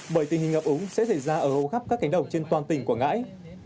bởi tình hình ngập úng sẽ xảy ra ở hầu khắp các cánh đồng trên toàn tỉnh quảng ngãi